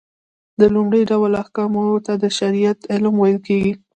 د لومړي ډول احکامو ته د شريعت علم ويل کېږي .